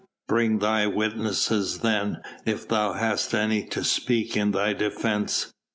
Bring thy witnesses then if thou hast any to speak in thy defence.